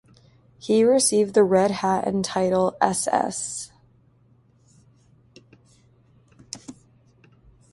He received the red hat and the title Ss.